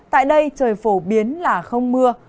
tại đây trời phổ biến là không mưa